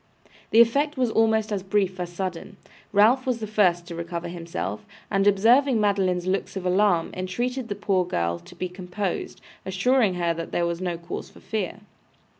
The effect was almost as brief as sudden. Ralph was the first to recover himself, and observing Madeline's looks of alarm, entreated the poor girl to be composed, assuring her that there was no cause for fear.